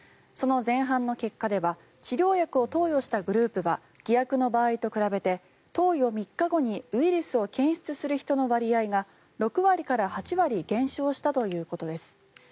その前半の結果では治療薬を投与したグループでは偽薬の場合と比べて投与３日後にウイルスを検出する人の割合が６割から８割減少したということです。